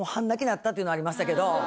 なったっていうのはありましたけど。